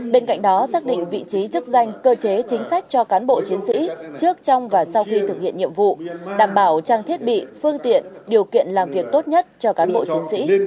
bên cạnh đó xác định vị trí chức danh cơ chế chính sách cho cán bộ chiến sĩ trước trong và sau khi thực hiện nhiệm vụ đảm bảo trang thiết bị phương tiện điều kiện làm việc tốt nhất cho cán bộ chiến sĩ